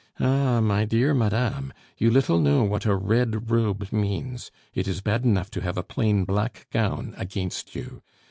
"Ah! my dear madame, you little know what a red robe means! It is bad enough to have a plain black gown against you!